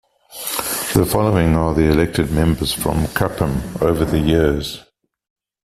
The following are the elected members from Kuppam over the years.